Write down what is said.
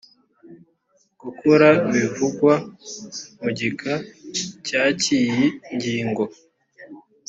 gukora bivugwa mu gika cya cy iyi ngingo